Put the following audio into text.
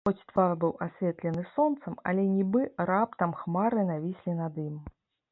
Хоць твар быў асветлены сонцам, але нібы раптам хмары навіслі над ім.